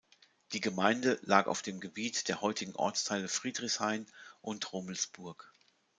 Die Gemeinde lag auf dem Gebiet der heutigen Ortsteile Friedrichshain und Rummelsburg.